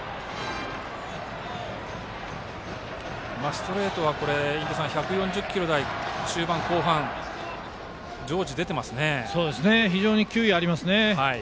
ストレートは１４０キロ台中盤、後半が非常に球威がありますね。